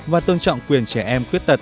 và tôn trọng quyền trẻ em khuyết thật